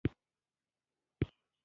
غوښه نرمه ده.